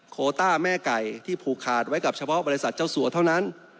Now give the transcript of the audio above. โคต้าแม่ไก่ที่ผูกขาดไว้กับเฉพาะบริษัทเจ้าสัวเท่านั้น